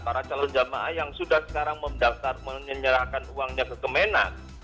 para calon jamaah yang sudah sekarang mendaftar menyerahkan uangnya ke kemenang